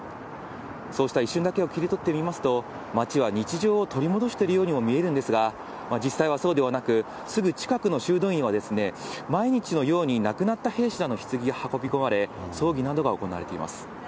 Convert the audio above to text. そうした一瞬だけを切り取って見ますと、街は日常を取り戻しているようにも見えるんですが、実際はそうではなく、すぐ近くの修道院は、毎日のように、亡くなった兵士らのひつぎが運び込まれ、葬儀などが行われています。